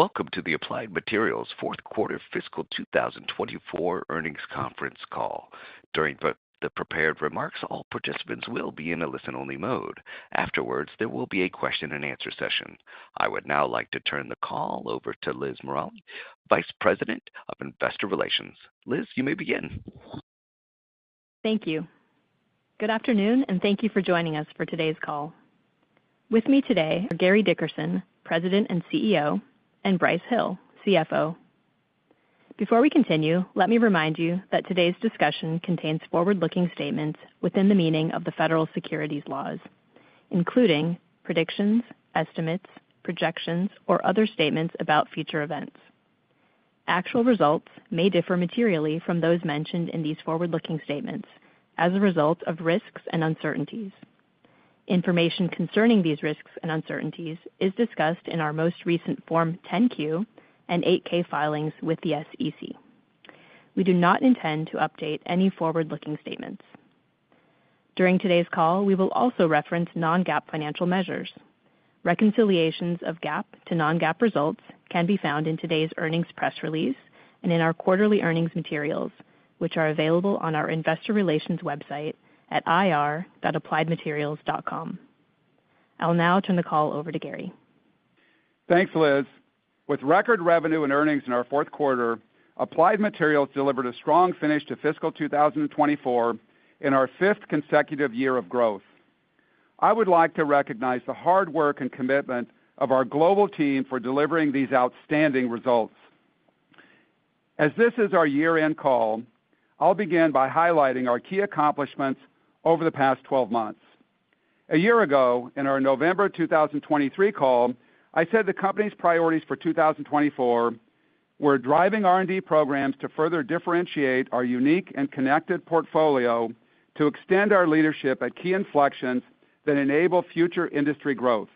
Welcome to the Applied Materials Fourth Quarter Fiscal 2024 Earnings Conference call. During the prepared remarks, all participants will be in a listen-only mode. Afterwards, there will be a question-and-answer session. I would now like to turn the call over to Liz Morali, Vice President of Investor Relations. Liz, you may begin. Thank you. Good afternoon, and thank you for joining us for today's call. With me today are Gary Dickerson, President and CEO, and Brice Hill, CFO. Before we continue, let me remind you that today's discussion contains forward-looking statements within the meaning of the federal securities laws, including predictions, estimates, projections, or other statements about future events. Actual results may differ materially from those mentioned in these forward-looking statements as a result of risks and uncertainties. Information concerning these risks and uncertainties is discussed in our most recent Form 10-Q and 8-K filings with the SEC. We do not intend to update any forward-looking statements. During today's call, we will also reference non-GAAP financial measures. Reconciliations of GAAP to non-GAAP results can be found in today's earnings press release and in our quarterly earnings materials, which are available on our Investor Relations website at ir.appliedmaterials.com. I'll now turn the call over to Gary. Thanks, Liz. With record revenue and earnings in our fourth quarter, Applied Materials delivered a strong finish to fiscal 2024 in our fifth consecutive year of growth. I would like to recognize the hard work and commitment of our global team for delivering these outstanding results. As this is our year-end call, I'll begin by highlighting our key accomplishments over the past 12 months. A year ago, in our November 2023 call, I said the company's priorities for 2024 were driving R&D programs to further differentiate our unique and connected portfolio to extend our leadership at key inflections that enable future industry growth,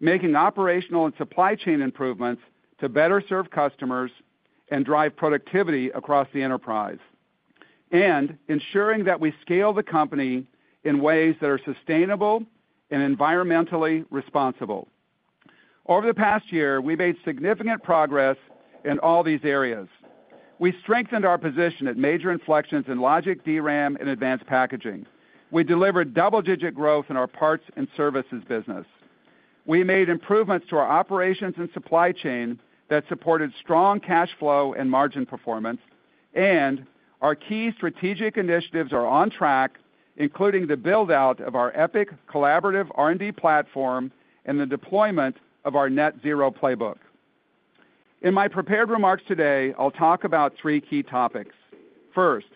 making operational and supply chain improvements to better serve customers and drive productivity across the enterprise, and ensuring that we scale the company in ways that are sustainable and environmentally responsible. Over the past year, we've made significant progress in all these areas. We strengthened our position at major inflections in logic, DRAM, and advanced packaging. We delivered double-digit growth in our parts and services business. We made improvements to our operations and supply chain that supported strong cash flow and margin performance, and our key strategic initiatives are on track, including the build-out of our EPIC collaborative R&D platform and the deployment of our net-zero playbook. In my prepared remarks today, I'll talk about three key topics. First,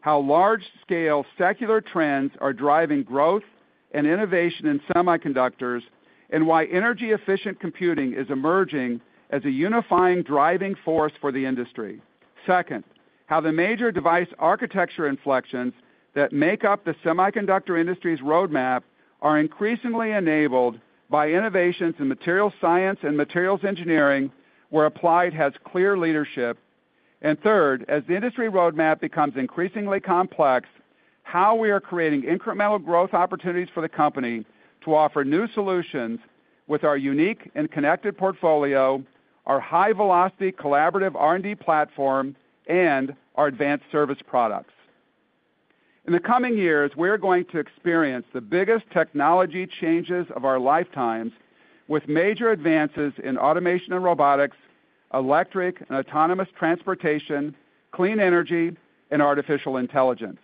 how large-scale secular trends are driving growth and innovation in semiconductors, and why energy-efficient computing is emerging as a unifying driving force for the industry. Second, how the major device architecture inflections that make up the semiconductor industry's roadmap are increasingly enabled by innovations in materials science and materials engineering, where Applied has clear leadership. And third, as the industry roadmap becomes increasingly complex, how we are creating incremental growth opportunities for the company to offer new solutions with our unique and connected portfolio, our high-velocity collaborative R&D platform, and our advanced service products. In the coming years, we're going to experience the biggest technology changes of our lifetimes, with major advances in automation and robotics, electric and autonomous transportation, clean energy, and artificial intelligence.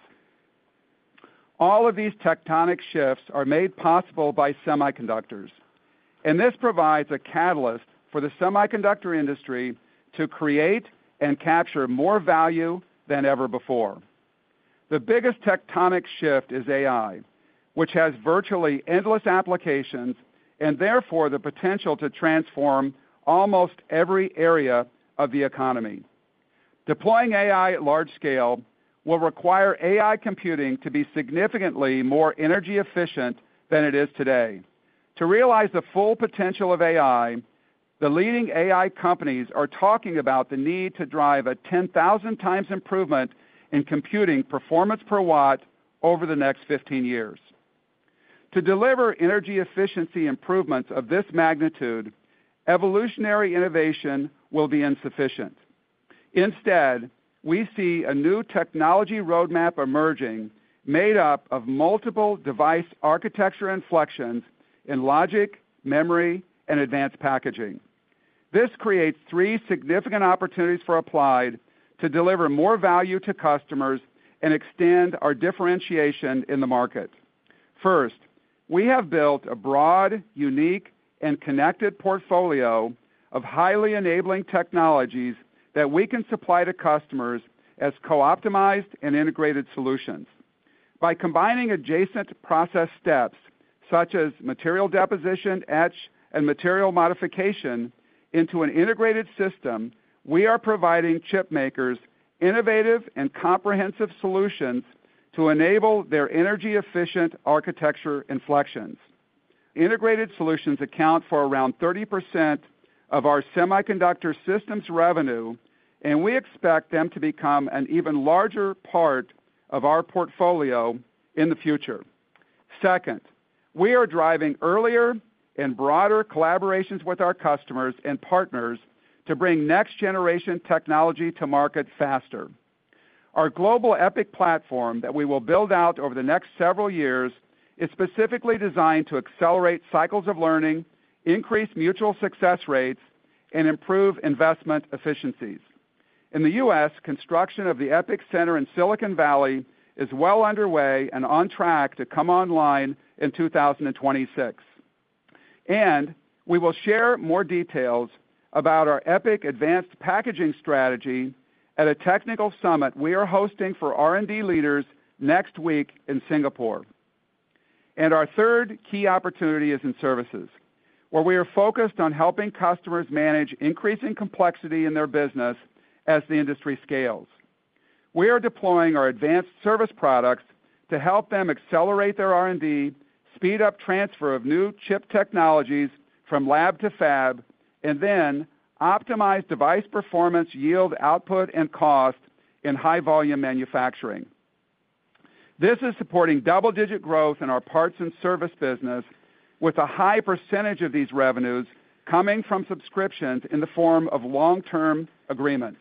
All of these tectonic shifts are made possible by semiconductors, and this provides a catalyst for the semiconductor industry to create and capture more value than ever before. The biggest tectonic shift is AI, which has virtually endless applications and therefore the potential to transform almost every area of the economy. Deploying AI at large scale will require AI computing to be significantly more energy-efficient than it is today. To realize the full potential of AI, the leading AI companies are talking about the need to drive a 10,000-times improvement in computing performance per watt over the next 15 years. To deliver energy efficiency improvements of this magnitude, evolutionary innovation will be insufficient. Instead, we see a new technology roadmap emerging made up of multiple device architecture inflections in logic, memory, and advanced packaging. This creates three significant opportunities for Applied to deliver more value to customers and extend our differentiation in the market. First, we have built a broad, unique, and connected portfolio of highly enabling technologies that we can supply to customers as co-optimized and integrated solutions. By combining adjacent process steps, such as material deposition, etch, and material modification, into an integrated system, we are providing chipmakers innovative and comprehensive solutions to enable their energy-efficient architecture inflections. Integrated solutions account for around 30% of our semiconductor systems revenue, and we expect them to become an even larger part of our portfolio in the future. Second, we are driving earlier and broader collaborations with our customers and partners to bring next-generation technology to market faster. Our global EPIC platform that we will build out over the next several years is specifically designed to accelerate cycles of learning, increase mutual success rates, and improve investment efficiencies. In the U.S., construction of the EPIC Center in Silicon Valley is well underway and on track to come online in 2026, and we will share more details about our EPIC advanced packaging strategy at a technical summit we are hosting for R&D leaders next week in Singapore, and our third key opportunity is in services, where we are focused on helping customers manage increasing complexity in their business as the industry scales. We are deploying our advanced service products to help them accelerate their R&D, speed up transfer of new chip technologies from lab to fab, and then optimize device performance, yield, output, and cost in high-volume manufacturing. This is supporting double-digit growth in our parts and service business, with a high percentage of these revenues coming from subscriptions in the form of long-term agreements.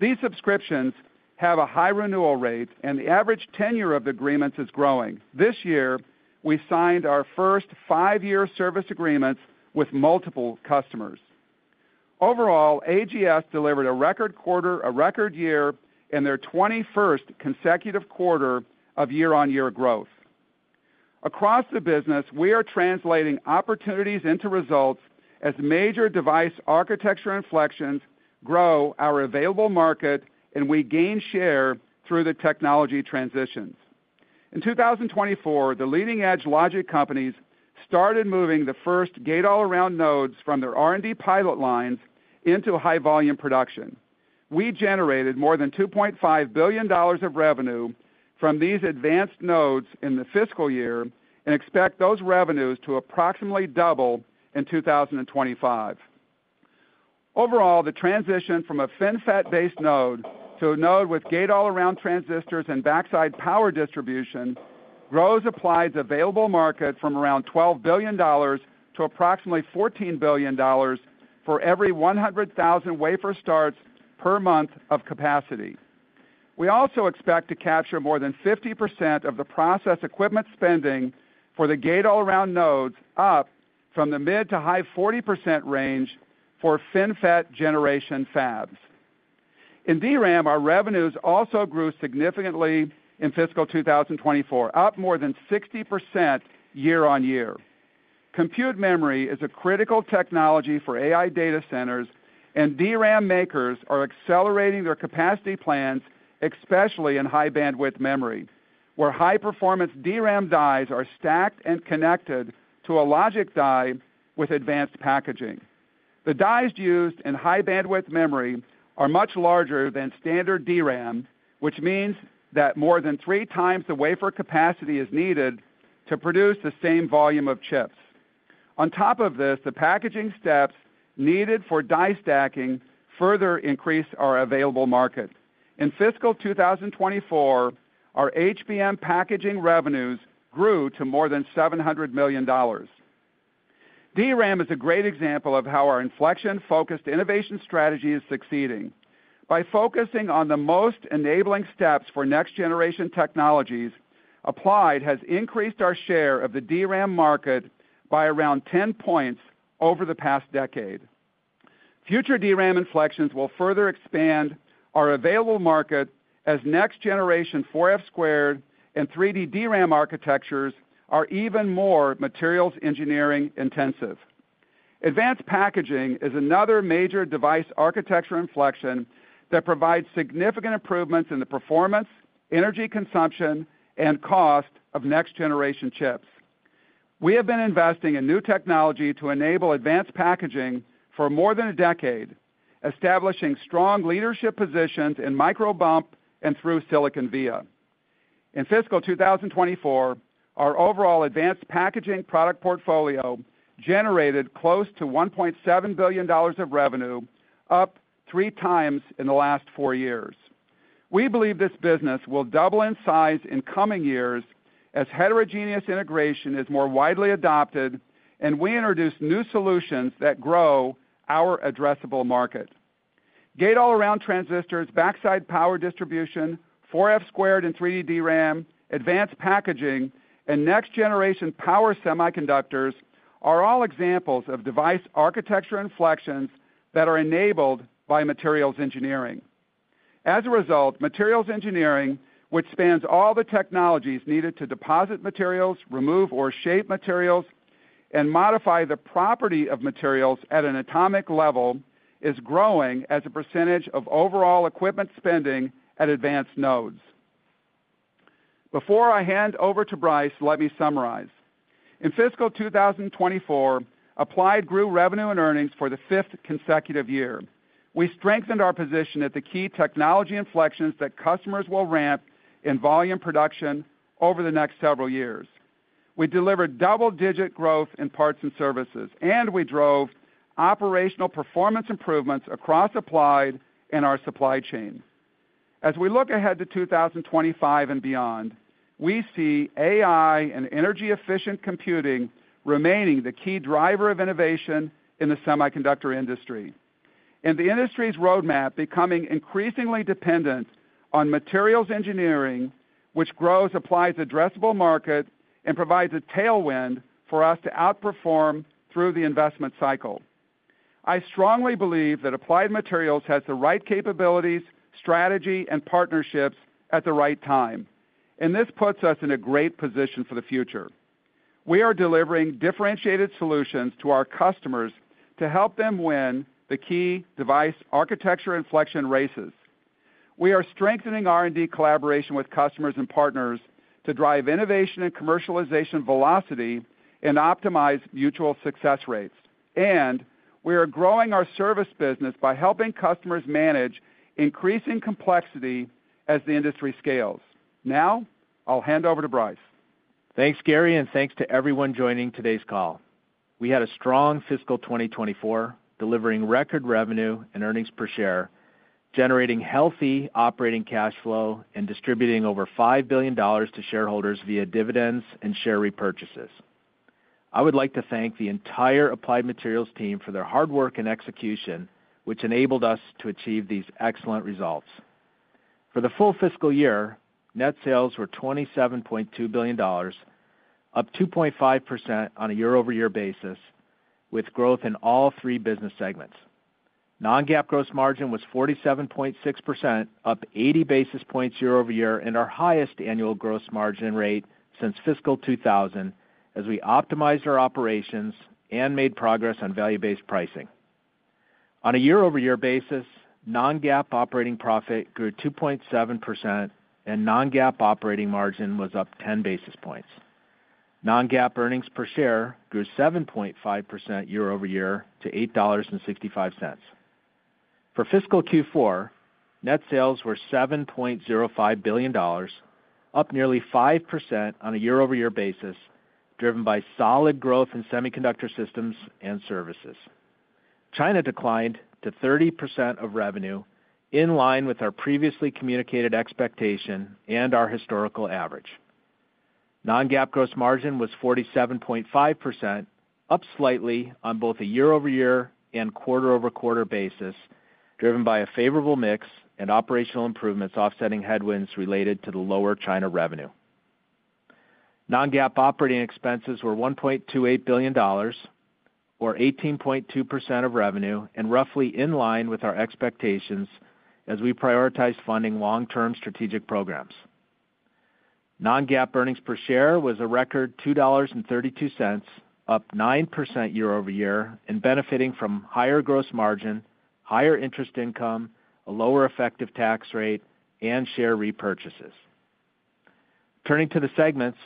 These subscriptions have a high renewal rate, and the average tenure of the agreements is growing. This year, we signed our first five-year service agreements with multiple customers. Overall, AGS delivered a record quarter, a record year, and their 21st consecutive quarter of year-on-year growth. Across the business, we are translating opportunities into results as major device architecture inflections grow our available market, and we gain share through the technology transitions. In 2024, the leading-edge logic companies started moving the first Gate-All-Around nodes from their R&D pilot lines into high-volume production. We generated more than $2.5 billion of revenue from these advanced nodes in the fiscal year and expect those revenues to approximately double in 2025. Overall, the transition from a FinFET-based node to a node with Gate-All-Around transistors and Backside Power Distribution grows Applied's available market from around $12 billion to approximately $14 billion for every 100,000 wafer starts per month of capacity. We also expect to capture more than 50% of the process equipment spending for the Gate-All-Around nodes up from the mid- to high-40% range for FinFET generation fabs. In DRAM, our revenues also grew significantly in fiscal 2024, up more than 60% year-on-year. Compute memory is a critical technology for AI data centers, and DRAM makers are accelerating their capacity plans, especially in high-bandwidth memory, where high-performance DRAM dies are stacked and connected to a logic die with advanced packaging. The dies used in high-bandwidth memory are much larger than standard DRAM, which means that more than three times the wafer capacity is needed to produce the same volume of chips. On top of this, the packaging steps needed for die stacking further increase our available market. In fiscal 2024, our HBM packaging revenues grew to more than $700 million. DRAM is a great example of how our inflection-focused innovation strategy is succeeding. By focusing on the most enabling steps for next-generation technologies, Applied has increased our share of the DRAM market by around 10 points over the past decade. Future DRAM inflections will further expand our available market as next-generation 4F² and 3D DRAM architectures are even more materials engineering intensive. Advanced packaging is another major device architecture inflection that provides significant improvements in the performance, energy consumption, and cost of next-generation chips. We have been investing in new technology to enable advanced packaging for more than a decade, establishing strong leadership positions in microbump and through-silicon via. In fiscal 2024, our overall advanced packaging product portfolio generated close to $1.7 billion of revenue, up three times in the last four years. We believe this business will double in size in coming years as heterogeneous integration is more widely adopted, and we introduce new solutions that grow our addressable market. Gate-All-Around transistors, Backside Power Distribution, 4F² and 3D DRAM, advanced packaging, and next-generation power semiconductors are all examples of device architecture inflections that are enabled by materials engineering. As a result, materials engineering, which spans all the technologies needed to deposit materials, remove or shape materials, and modify the property of materials at an atomic level, is growing as a percentage of overall equipment spending at advanced nodes. Before I hand over to Brice, let me summarize. In fiscal 2024, Applied grew revenue and earnings for the fifth consecutive year. We strengthened our position at the key technology inflections that customers will ramp in volume production over the next several years. We delivered double-digit growth in parts and services, and we drove operational performance improvements across Applied and our supply chain. As we look ahead to 2025 and beyond, we see AI and energy-efficient computing remaining the key driver of innovation in the semiconductor industry, and the industry's roadmap becoming increasingly dependent on materials engineering, which grows Applied's addressable market and provides a tailwind for us to outperform through the investment cycle. I strongly believe that Applied Materials has the right capabilities, strategy, and partnerships at the right time, and this puts us in a great position for the future. We are delivering differentiated solutions to our customers to help them win the key device architecture inflection races. We are strengthening R&D collaboration with customers and partners to drive innovation and commercialization velocity and optimize mutual success rates. We are growing our service business by helping customers manage increasing complexity as the industry scales. Now, I'll hand over to Brice. Thanks, Gary, and thanks to everyone joining today's call. We had a strong fiscal 2024, delivering record revenue and earnings per share, generating healthy operating cash flow, and distributing over $5 billion to shareholders via dividends and share repurchases. I would like to thank the entire Applied Materials team for their hard work and execution, which enabled us to achieve these excellent results. For the full fiscal year, net sales were $27.2 billion, up 2.5% on a year-over-year basis, with growth in all three business segments. Non-GAAP gross margin was 47.6%, up 80 basis points year-over-year and our highest annual gross margin rate since fiscal 2000, as we optimized our operations and made progress on value-based pricing. On a year-over-year basis, Non-GAAP operating profit grew 2.7%, and Non-GAAP operating margin was up 10 basis points. Non-GAAP earnings per share grew 7.5% year-over-year to $8.65. For fiscal Q4, net sales were $7.05 billion, up nearly 5% on a year-over-year basis, driven by solid growth in semiconductor systems and services. China declined to 30% of revenue, in line with our previously communicated expectation and our historical average. Non-GAAP gross margin was 47.5%, up slightly on both a year-over-year and quarter-over-quarter basis, driven by a favorable mix and operational improvements offsetting headwinds related to the lower China revenue. Non-GAAP operating expenses were $1.28 billion, or 18.2% of revenue, and roughly in line with our expectations as we prioritized funding long-term strategic programs. Non-GAAP earnings per share was a record $2.32, up 9% year-over-year, and benefiting from higher gross margin, higher interest income, a lower effective tax rate, and share repurchases. Turning to the segments,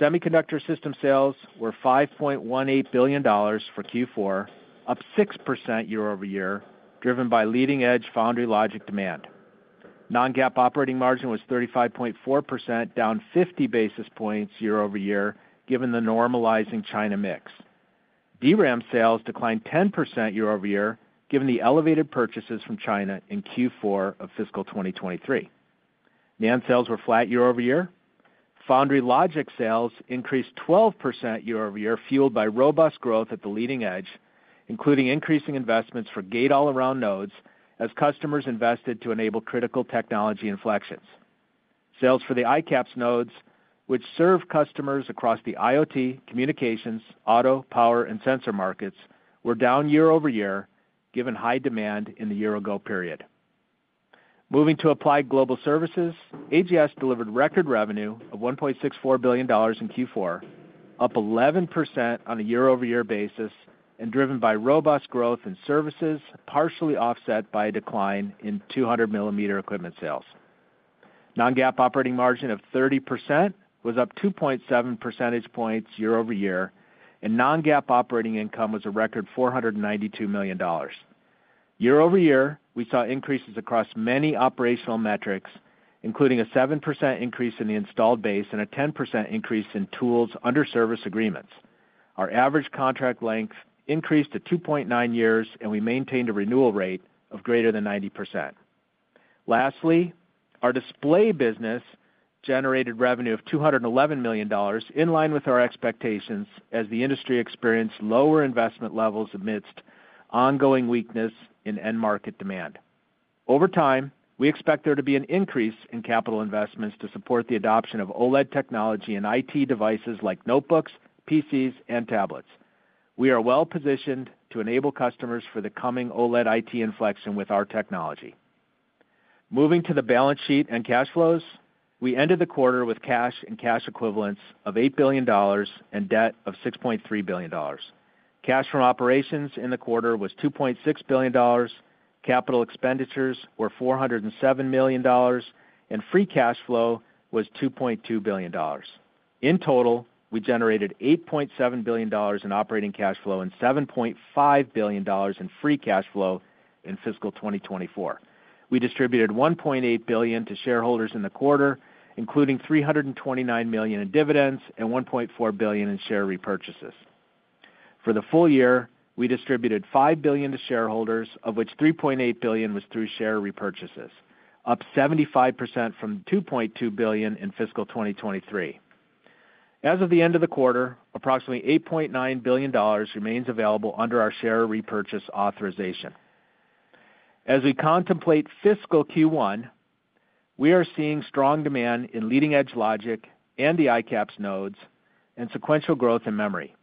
semiconductor system sales were $5.18 billion for Q4, up 6% year-over-year, driven by leading-edge foundry logic demand. Non-GAAP operating margin was 35.4%, down 50 basis points year-over-year, given the normalizing China mix. DRAM sales declined 10% year-over-year, given the elevated purchases from China in Q4 of fiscal 2023. NAND sales were flat year-over-year. Foundry logic sales increased 12% year-over-year, fueled by robust growth at the leading edge, including increasing investments for Gate-All-Around nodes as customers invested to enable critical technology inflections. Sales for the ICAPS nodes, which serve customers across the IoT, communications, auto, power, and sensor markets, were down year-over-year, given high demand in the year-ago period. Moving to Applied Global Services, AGS delivered record revenue of $1.64 billion in Q4, up 11% on a year-over-year basis, and driven by robust growth in services, partially offset by a decline in 200-millimeter equipment sales. Non-GAAP operating margin of 30% was up 2.7 percentage points year-over-year, and non-GAAP operating income was a record $492 million. Year-over-year, we saw increases across many operational metrics, including a 7% increase in the installed base and a 10% increase in tools under service agreements. Our average contract length increased to 2.9 years, and we maintained a renewal rate of greater than 90%. Lastly, our display business generated revenue of $211 million, in line with our expectations as the industry experienced lower investment levels amidst ongoing weakness in end-market demand. Over time, we expect there to be an increase in capital investments to support the adoption of OLED technology and IT devices like notebooks, PCs, and tablets. We are well-positioned to enable customers for the coming OLED IT inflection with our technology. Moving to the balance sheet and cash flows, we ended the quarter with cash and cash equivalents of $8 billion and debt of $6.3 billion. Cash from operations in the quarter was $2.6 billion, capital expenditures were $407 million, and free cash flow was $2.2 billion. In total, we generated $8.7 billion in operating cash flow and $7.5 billion in free cash flow in fiscal 2024. We distributed $1.8 billion to shareholders in the quarter, including $329 million in dividends and $1.4 billion in share repurchases. For the full year, we distributed $5 billion to shareholders, of which $3.8 billion was through share repurchases, up 75% from $2.2 billion in fiscal 2023. As of the end of the quarter, approximately $8.9 billion remains available under our share repurchase authorization. As we contemplate fiscal Q1, we are seeing strong demand in leading-edge logic and the ICAPS nodes and sequential growth in memory.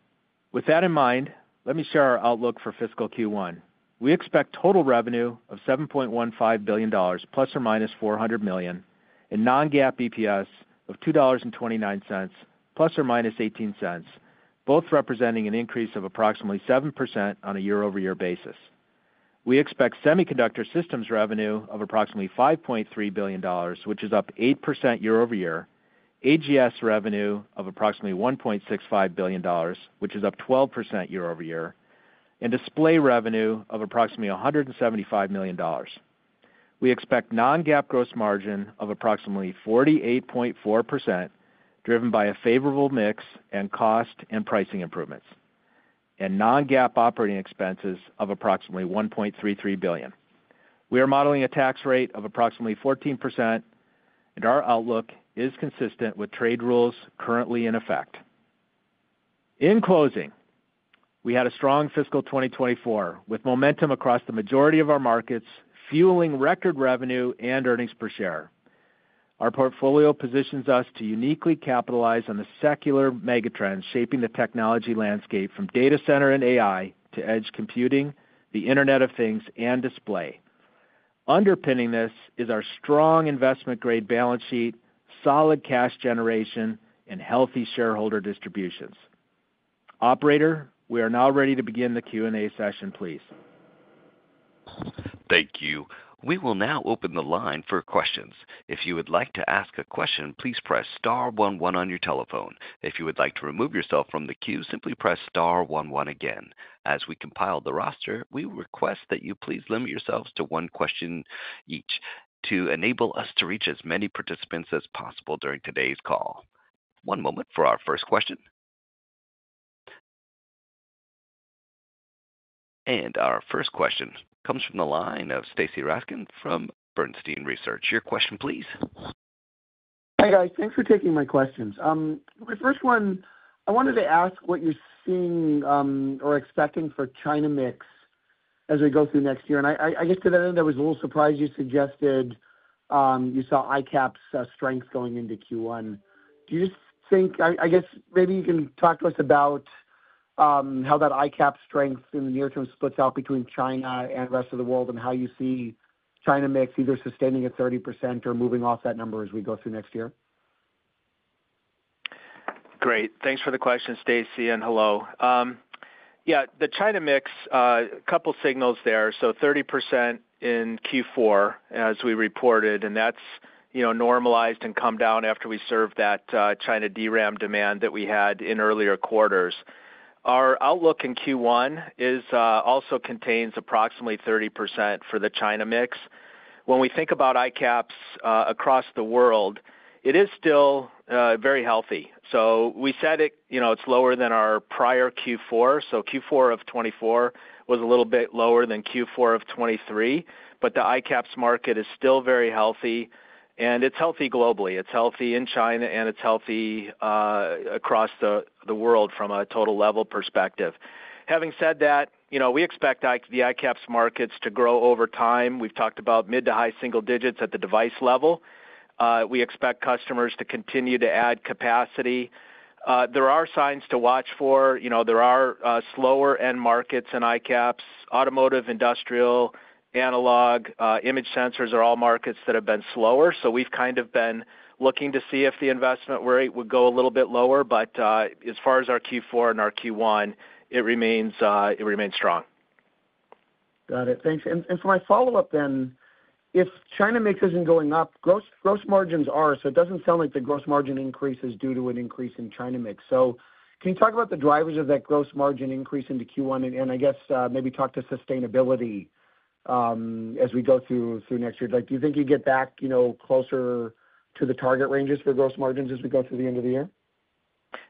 With that in mind, let me share our outlook for fiscal Q1. We expect total revenue of $7.15 billion, plus or minus $400 million, and non-GAAP EPS of $2.29, plus or minus $0.18, both representing an increase of approximately 7% on a year-over-year basis. We expect semiconductor systems revenue of approximately $5.3 billion, which is up 8% year-over-year, AGS revenue of approximately $1.65 billion, which is up 12% year-over-year, and display revenue of approximately $175 million. We expect non-GAAP gross margin of approximately 48.4%, driven by a favorable mix and cost and pricing improvements, and non-GAAP operating expenses of approximately $1.33 billion. We are modeling a tax rate of approximately 14%, and our outlook is consistent with trade rules currently in effect. In closing, we had a strong fiscal 2024 with momentum across the majority of our markets, fueling record revenue and earnings per share. Our portfolio positions us to uniquely capitalize on the secular megatrends shaping the technology landscape from data center and AI to edge computing, the Internet of Things, and display. Underpinning this is our strong investment-grade balance sheet, solid cash generation, and healthy shareholder distributions. Operator, we are now ready to begin the Q&A session, please. Thank you. We will now open the line for questions. If you would like to ask a question, please press star one one on your telephone. If you would like to remove yourself from the queue, simply press star one one again. As we compile the roster, we request that you please limit yourselves to one question each to enable us to reach as many participants as possible during today's call. One moment for our first question. And our first question comes from the line of Stacy Rasgon from Bernstein Research. Your question, please. Hi guys, thanks for taking my questions. My first one, I wanted to ask what you're seeing or expecting for China mix as we go through next year. And I guess to that end, I was a little surprised you suggested you saw ICAPS strength going into Q1. Do you just think, I guess maybe you can talk to us about how that ICAPS strength in the near term splits out between China and the rest of the world and how you see China mix either sustaining at 30% or moving off that number as we go through next year? Great. Thanks for the question, Stacy, and hello. Yeah, the China mix, a couple of signals there. So 30% in Q4 as we reported, and that's normalized and come down after we served that China DRAM demand that we had in earlier quarters. Our outlook in Q1 also contains approximately 30% for the China mix. When we think about ICAPS across the world, it is still very healthy. So we said it's lower than our prior Q4. So Q4 of 2024 was a little bit lower than Q4 of 2023, but the ICAPS market is still very healthy, and it's healthy globally. It's healthy in China, and it's healthy across the world from a total level perspective. Having said that, we expect the ICAPS markets to grow over time. We've talked about mid to high single digits at the device level. We expect customers to continue to add capacity. There are signs to watch for. There are slower end markets in ICAPS. Automotive, industrial, analog, image sensors are all markets that have been slower. So we've kind of been looking to see if the investment rate would go a little bit lower, but as far as our Q4 and our Q1, it remains strong. Got it. Thanks. And for my follow-up then, if China mix isn't going up, gross margins are, so it doesn't sound like the gross margin increase is due to an increase in China mix. So can you talk about the drivers of that gross margin increase into Q1, and I guess maybe talk to sustainability as we go through next year? Do you think you get back closer to the target ranges for gross margins as we go through the end of the year?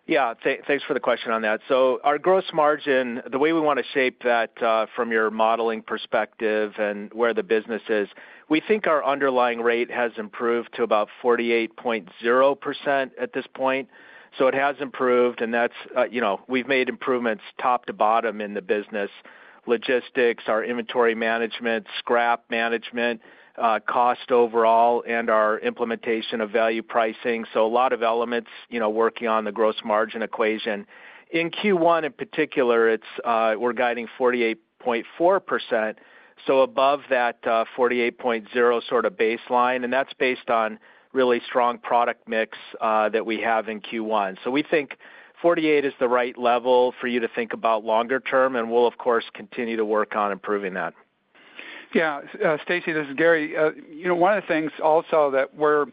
Yeah. Thanks for the question on that. So our gross margin, the way we want to shape that from your modeling perspective and where the business is, we think our underlying rate has improved to about 48.0% at this point. So it has improved, and we've made improvements top to bottom in the business: logistics, our inventory management, scrap management, cost overall, and our implementation of value pricing. So a lot of elements working on the gross margin equation. In Q1 in particular, we're guiding 48.4%, so above that 48.0% sort of baseline, and that's based on really strong product mix that we have in Q1. So we think 48% is the right level for you to think about longer term, and we'll, of course, continue to work on improving that. Yeah. Stacy, this is Gary. One of the things also that we're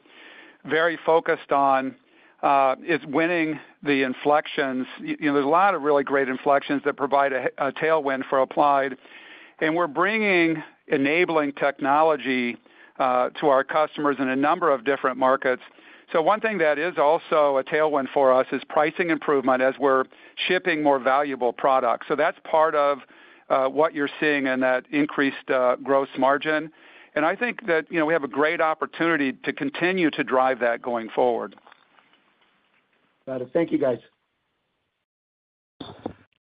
very focused on is winning the inflections. There's a lot of really great inflections that provide a tailwind for Applied, and we're bringing enabling technology to our customers in a number of different markets. So one thing that is also a tailwind for us is pricing improvement as we're shipping more valuable products. So that's part of what you're seeing in that increased gross margin. And I think that we have a great opportunity to continue to drive that going forward. Got it. Thank you, guys.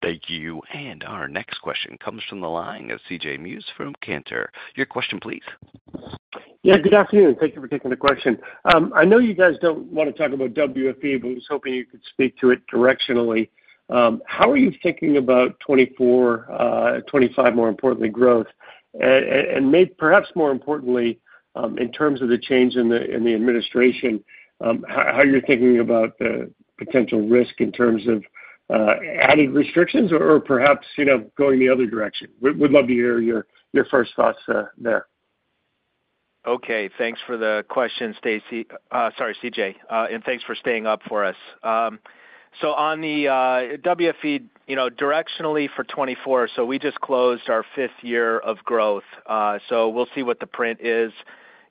Thank you. And our next question comes from the line of C.J. Muse from Cantor Fitzgerald. Your question, please. Yeah. Good afternoon. Thank you for taking the question. I know you guys don't want to talk about WFE, but I was hoping you could speak to it directionally. How are you thinking about 2024, 2025, more importantly, growth? And maybe perhaps more importantly, in terms of the change in the administration, how are you thinking about the potential risk in terms of added restrictions or perhaps going the other direction? We'd love to hear your first thoughts there. Okay. Thanks for the question, Stacy. Sorry, C.J. And thanks for staying up for us. So on the WFE, directionally for 2024, so we just closed our fifth year of growth. So we'll see what the print is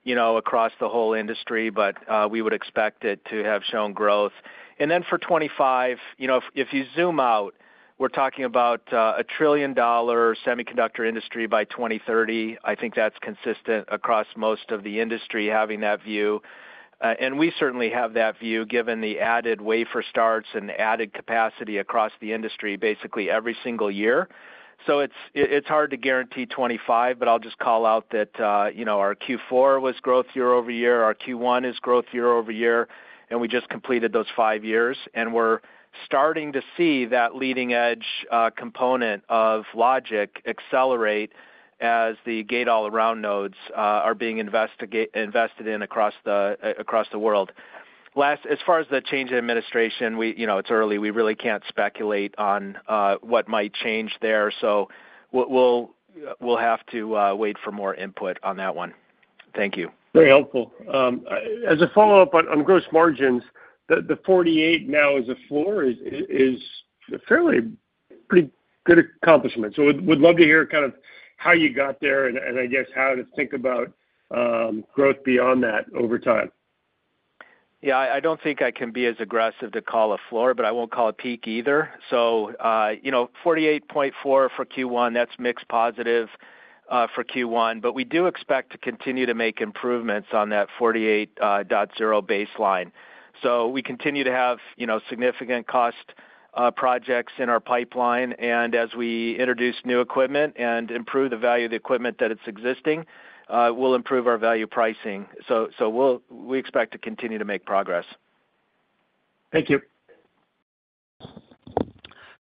across the whole industry, but we would expect it to have shown growth. And then for 2025, if you zoom out, we're talking about a trillion-dollar semiconductor industry by 2030. I think that's consistent across most of the industry having that view. And we certainly have that view given the added wafer starts and added capacity across the industry basically every single year. So it's hard to guarantee 2025, but I'll just call out that our Q4 was growth year-over-year, our Q1 is growth year-over-year, and we just completed those five years. And we're starting to see that leading-edge component of logic accelerate as the Gate-All-Around nodes are being invested in across the world. Last, as far as the change in administration, it's early. We really can't speculate on what might change there. So we'll have to wait for more input on that one. Thank you. Very helpful. As a follow-up on gross margins, the 48% now is a floor, a fairly pretty good accomplishment. So we'd love to hear kind of how you got there and, I guess, how to think about growth beyond that over time. Yeah. I don't think I can be as aggressive to call a floor, but I won't call it peak either. So 48.4 for Q1, that's mixed positive for Q1, but we do expect to continue to make improvements on that 48.0 baseline. So we continue to have significant cost projects in our pipeline, and as we introduce new equipment and improve the value of the equipment that's existing, we'll improve our value pricing. So we expect to continue to make progress. Thank you.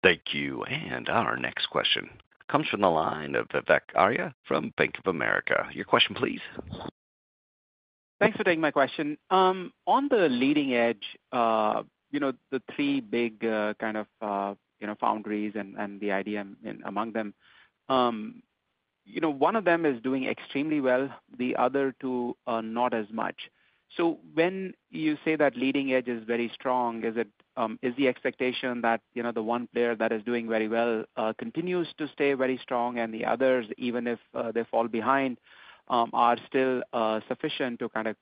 Thank you. And our next question comes from the line of Vivek Arya from Bank of America. Your question, please. Thanks for taking my question. On the leading edge, the three big kind of foundries and the IDM among them, one of them is doing extremely well. The other two are not as much. So when you say that leading edge is very strong, is the expectation that the one player that is doing very well continues to stay very strong and the others, even if they fall behind, are still sufficient to kind of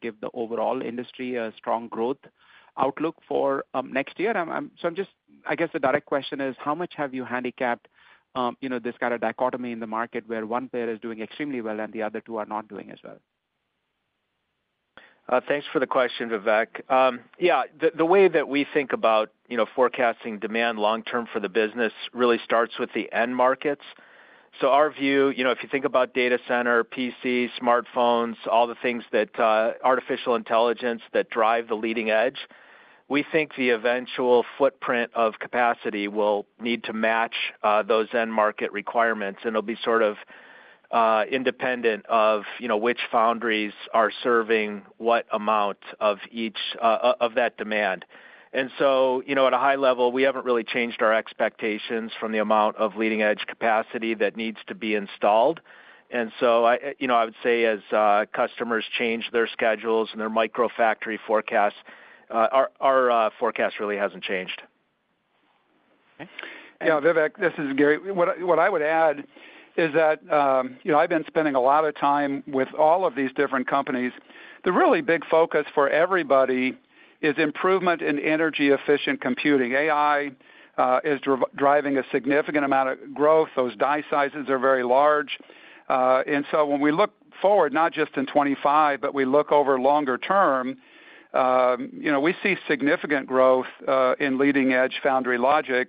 give the overall industry a strong growth outlook for next year? So I guess the direct question is, how much have you handicapped this kind of dichotomy in the market where one player is doing extremely well and the other two are not doing as well? Thanks for the question, Vivek. Yeah. The way that we think about forecasting demand long-term for the business really starts with the end markets. So, our view, if you think about data center, PC, smartphones, all the things that artificial intelligence that drive the leading edge, we think the eventual footprint of capacity will need to match those end market requirements, and it'll be sort of independent of which foundries are serving what amount of that demand. And so, at a high level, we haven't really changed our expectations from the amount of leading-edge capacity that needs to be installed. And so, I would say as customers change their schedules and their microfactory forecasts, our forecast really hasn't changed. Yeah. Vivek, this is Gary. What I would add is that I've been spending a lot of time with all of these different companies. The really big focus for everybody is improvement in energy-efficient computing. AI is driving a significant amount of growth. Those die sizes are very large. And so when we look forward, not just in 2025, but we look over longer term, we see significant growth in leading-edge foundry logic.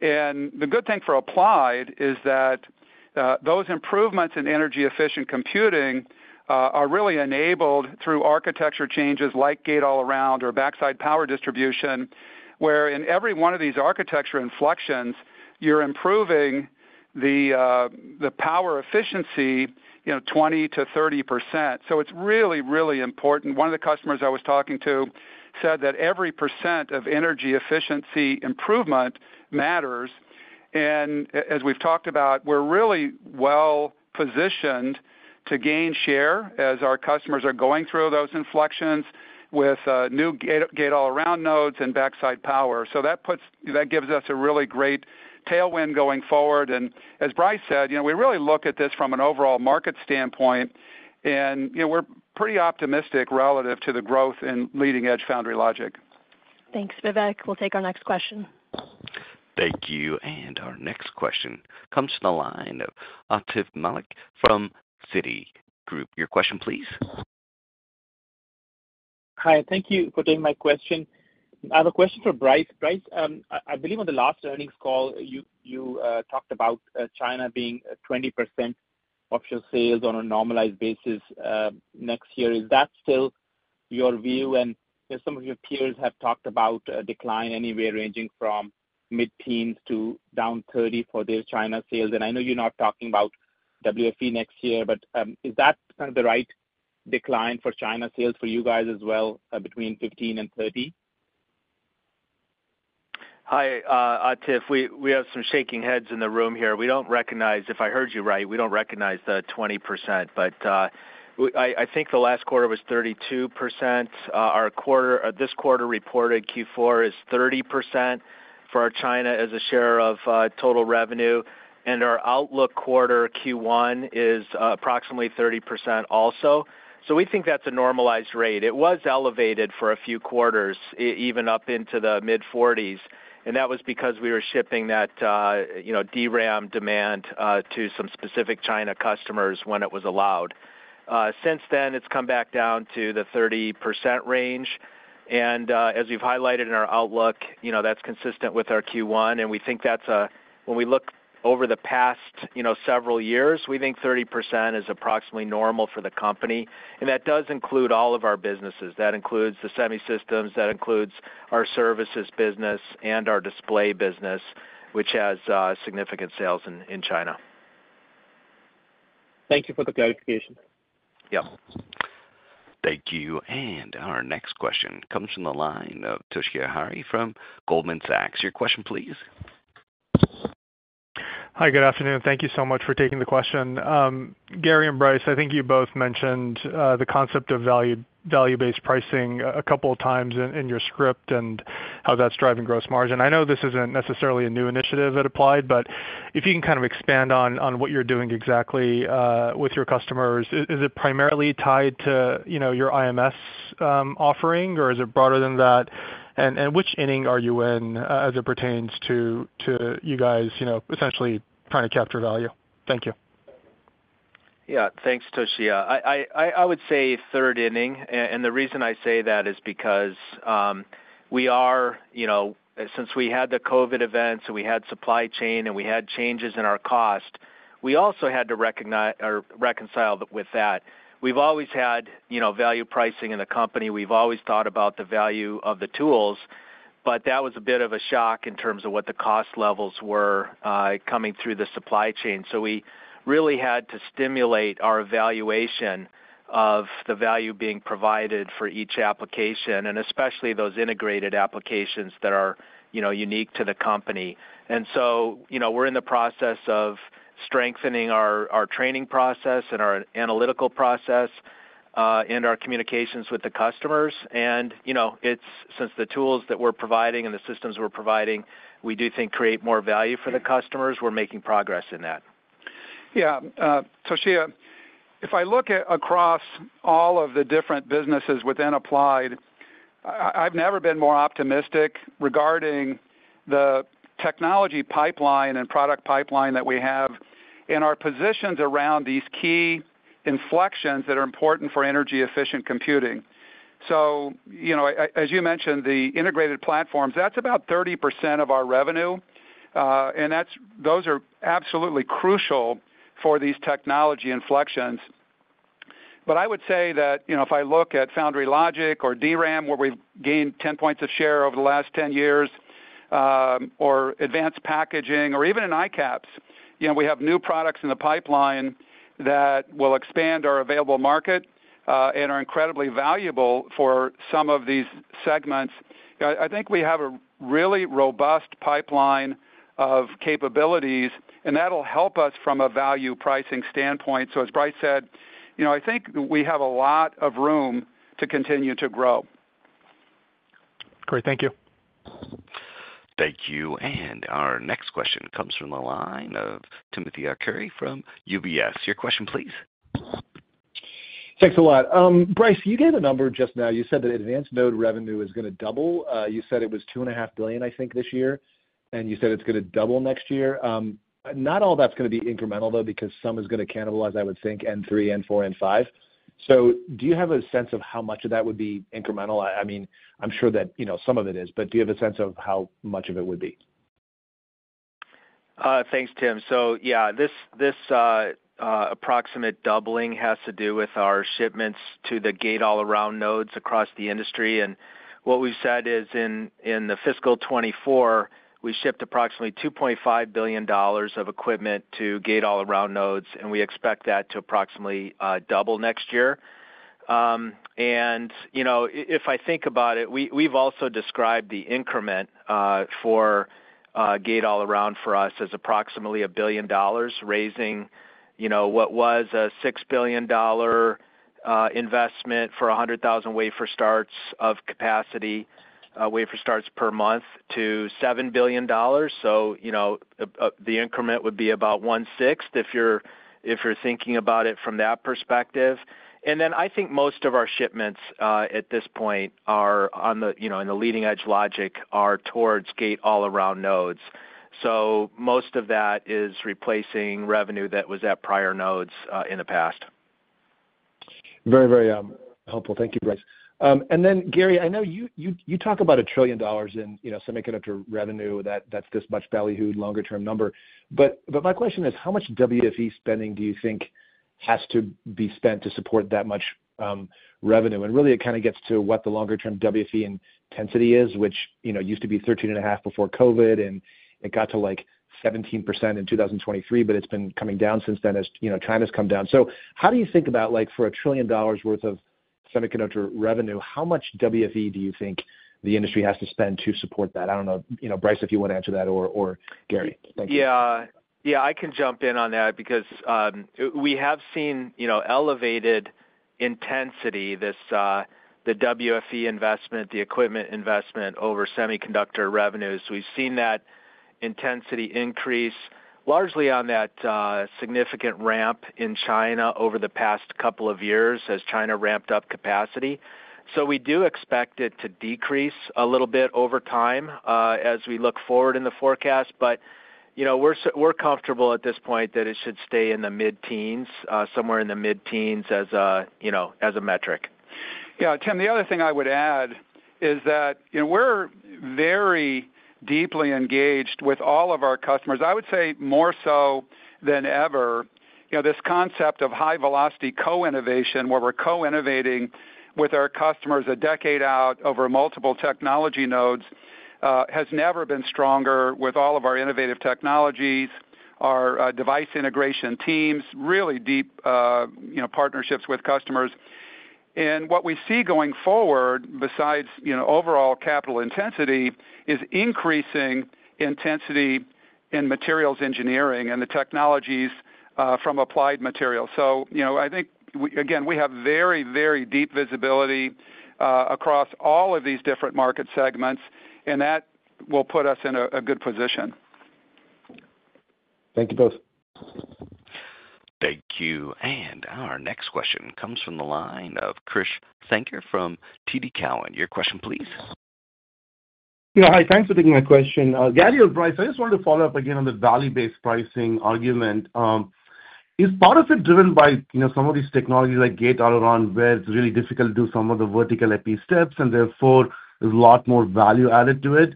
And the good thing for Applied is that those improvements in energy-efficient computing are really enabled through architecture changes like Gate-All-Around or Backside Power Distribution, where in every one of these architecture inflections, you're improving the power efficiency 20%-30%. So it's really, really important. One of the customers I was talking to said that every percent of energy efficiency improvement matters. And as we've talked about, we're really well positioned to gain share as our customers are going through those inflections with new Gate-All-Around nodes and Backside Power. So that gives us a really great tailwind going forward. And as Brice said, we really look at this from an overall market standpoint, and we're pretty optimistic relative to the growth in leading-edge foundry logic. Thanks, Vivek. We'll take our next question. Thank you. And our next question comes from the line of Atif Malik from Citigroup. Your question, please. Hi. Thank you for taking my question. I have a question for Brice. Brice, I believe on the last earnings call, you talked about China being 20% of your sales on a normalized basis next year. Is that still your view? And some of your peers have talked about a decline anywhere ranging from mid-teens% to down 30% for their China sales. And I know you're not talking about WFE next year, but is that kind of the right decline for China sales for you guys as well between 15%-30%? Hi, Atif. We have some shaking heads in the room here. If I heard you right, we don't recognize the 20%, but I think the last quarter was 32%. This quarter reported Q4 is 30% for our China as a share of total revenue, and our outlook quarter Q1 is approximately 30% also. So we think that's a normalized rate. It was elevated for a few quarters, even up into the mid-40s%, and that was because we were shipping that DRAM demand to some specific China customers when it was allowed. Since then, it's come back down to the 30% range. And as we've highlighted in our outlook, that's consistent with our Q1, and we think that's a when we look over the past several years, we think 30% is approximately normal for the company. And that does include all of our businesses. That includes the semi systems, that includes our services business, and our display business, which has significant sales in China. Thank you for the clarification. Yep. Thank you. And our next question comes from the line of Toshiya Hari from Goldman Sachs. Your question, please. Hi. Good afternoon. Thank you so much for taking the question. Gary and Brice, I think you both mentioned the concept of value-based pricing a couple of times in your script and how that's driving gross margin. I know this isn't necessarily a new initiative at Applied, but if you can kind of expand on what you're doing exactly with your customers, is it primarily tied to your IMS offering, or is it broader than that? And which inning are you in as it pertains to you guys essentially trying to capture value? Thank you. Yeah. Thanks, Toshiya. I would say third inning. And the reason I say that is because, since we had the COVID events, and we had supply chain, and we had changes in our cost, we also had to reconcile with that. We've always had value pricing in the company. We've always thought about the value of the tools, but that was a bit of a shock in terms of what the cost levels were coming through the supply chain. So we really had to stimulate our evaluation of the value being provided for each application, and especially those integrated applications that are unique to the company. And so we're in the process of strengthening our training process and our analytical process and our communications with the customers. And since the tools that we're providing and the systems we're providing, we do think create more value for the customers, we're making progress in that. Yeah. Toshiya, if I look across all of the different businesses within Applied, I've never been more optimistic regarding the technology pipeline and product pipeline that we have in our positions around these key inflections that are important for energy-efficient computing. So as you mentioned, the integrated platforms, that's about 30% of our revenue, and those are absolutely crucial for these technology inflections. But I would say that if I look at foundry logic or DRAM, where we've gained 10 points of share over the last 10 years, or advanced packaging, or even in ICAPS, we have new products in the pipeline that will expand our available market and are incredibly valuable for some of these segments. I think we have a really robust pipeline of capabilities, and that'll help us from a value pricing standpoint. So as Brice said, I think we have a lot of room to continue to grow. Great. Thank you. Thank you. And our next question comes from the line of Timothy Arcuri from UBS. Your question, please. Thanks a lot. Brice, you gave a number just now. You said that advanced node revenue is going to double. You said it was $2.5 billion, I think, this year, and you said it's going to double next year. Not all that's going to be incremental, though, because some is going to cannibalize, I would think, N3, N4, N5. So do you have a sense of how much of that would be incremental? I mean, I'm sure that some of it is, but do you have a sense of how much of it would be? Thanks, Tim. So yeah, this approximate doubling has to do with our shipments to the Gate-All-Around nodes across the industry. And what we've said is in the fiscal 2024, we shipped approximately $2.5 billion of equipment to Gate-All-Around nodes, and we expect that to approximately double next year. And if I think about it, we've also described the increment for Gate-All-Around for us as approximately a billion dollars, raising what was a $6 billion investment for 100,000 wafer starts of capacity, wafer starts per month, to $7 billion. So the increment would be about one-sixth if you're thinking about it from that perspective. And then I think most of our shipments at this point are in the leading-edge logic are towards Gate-All-Around nodes. So most of that is replacing revenue that was at prior nodes in the past. Very, very helpful. Thank you, Brice. And then, Gary, I know you talk about $1 trillion in semiconductor revenue. That's this much bellwether, longer-term number. But my question is, how much WFE spending do you think has to be spent to support that much revenue? And really, it kind of gets to what the longer-term WFE intensity is, which used to be 13.5% before COVID, and it got to like 17% in 2023, but it's been coming down since then as China's come down. So how do you think about for $1 trillion worth of semiconductor revenue, how much WFE do you think the industry has to spend to support that? I don't know, Brice, if you want to answer that or Gary. Thank you. Yeah. Yeah. I can jump in on that because we have seen elevated intensity, the WFE investment, the equipment investment over semiconductor revenues. We've seen that intensity increase largely on that significant ramp in China over the past couple of years as China ramped up capacity. So we do expect it to decrease a little bit over time as we look forward in the forecast, but we're comfortable at this point that it should stay in the mid-teens, somewhere in the mid-teens as a metric. Yeah. Tim, the other thing I would add is that we're very deeply engaged with all of our customers. I would say more so than ever. This concept of high-velocity co-innovation, where we're co-innovating with our customers a decade out over multiple technology nodes, has never been stronger with all of our innovative technologies, our device integration teams, really deep partnerships with customers. And what we see going forward, besides overall capital intensity, is increasing intensity in materials engineering and the technologies from Applied Materials. So I think, again, we have very, very deep visibility across all of these different market segments, and that will put us in a good position. Thank you both. Thank you. And our next question comes from the line of Krish Sankar from TD Cowen. Your question, please. Yeah. Hi. Thanks for taking my question. Gary, or Brice, I just wanted to follow up again on the value-based pricing argument. Is part of it driven by some of these technologies like Gate-All-Around, where it's really difficult to do some of the vertical epi steps, and therefore there's a lot more value added to it?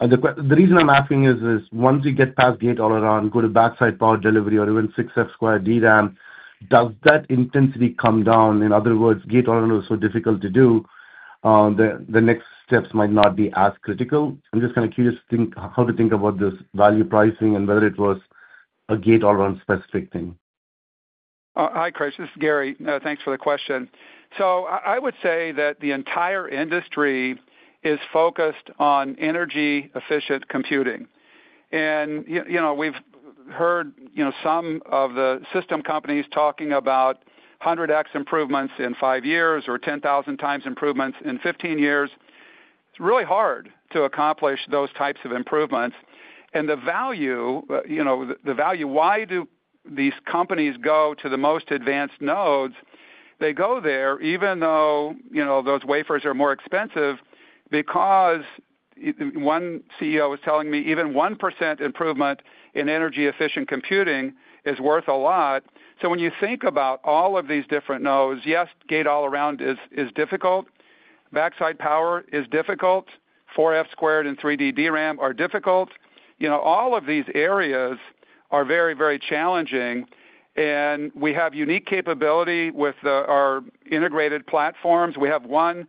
The reason I'm asking is, once you get past Gate-All-Around, go to Backside power delivery or even 6F² DRAM, does that intensity come down? In other words, Gate-All-Around is so difficult to do, the next steps might not be as critical. I'm just kind of curious how to think about this value pricing and whether it was a Gate-All-Around specific thing. Hi, Krish. This is Gary. Thanks for the question. So I would say that the entire industry is focused on energy-efficient computing. And we've heard some of the system companies talking about 100x improvements in five years or 10,000 times improvements in 15 years. It's really hard to accomplish those types of improvements. And the value, why do these companies go to the most advanced nodes? They go there, even though those wafers are more expensive, because one CEO was telling me even 1% improvement in energy-efficient computing is worth a lot. So when you think about all of these different nodes, yes, Gate-All-Around is difficult. Backside power is difficult. 4F squared and 3D DRAM are difficult. All of these areas are very, very challenging. And we have unique capability with our integrated platforms. We have one platform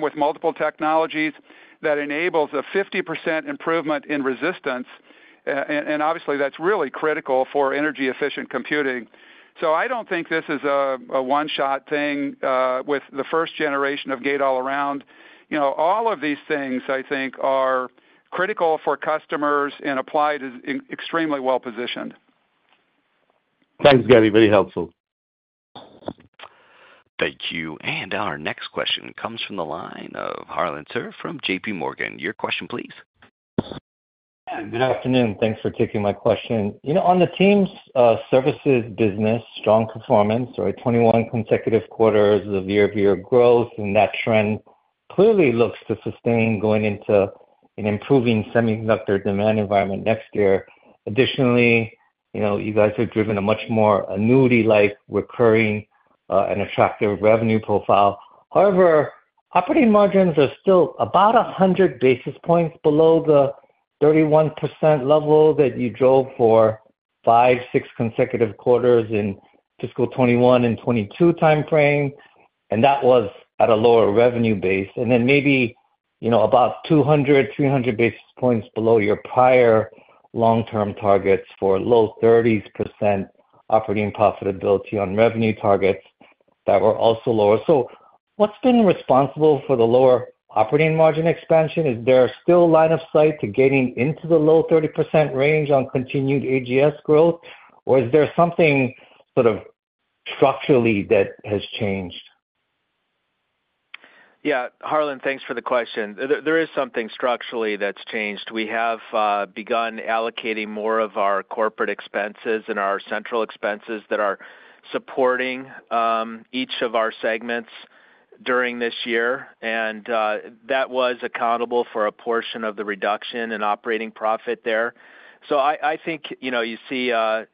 with multiple technologies that enables a 50% improvement in resistance. And obviously, that's really critical for energy-efficient computing. So I don't think this is a one-shot thing with the first generation of Gate-All-Aaround. All of these things, I think, are critical for customers and Applied as extremely well-positioned. Thanks, Gary. Very helpful. Thank you. And our next question comes from the line of Harlan Sur from J.P. Morgan. Your question, please. Good afternoon. Thanks for taking my question. On the AGS services business, strong performance, right? 21 consecutive quarters of year-over-year growth, and that trend clearly looks to sustain going into an improving semiconductor demand environment next year. Additionally, you guys have driven a much more annuity-like recurring and attractive revenue profile. However, operating margins are still about 100 basis points below the 31% level that you drove for five, six consecutive quarters in fiscal 2021 and 2022 timeframe. And that was at a lower revenue base. And then maybe about 200, 300 basis points below your prior long-term targets for low 30% operating profitability on revenue targets that were also lower. So what's been responsible for the lower operating margin expansion? Is there still line of sight to getting into the low 30% range on continued AGS growth, or is there something sort of structurally that has changed? Yeah. Harlan, thanks for the question. There is something structurally that's changed. We have begun allocating more of our corporate expenses and our central expenses that are supporting each of our segments during this year. And that was accountable for a portion of the reduction in operating profit there. So I think you see us